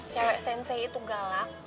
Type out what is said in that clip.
cewek sensei itu galak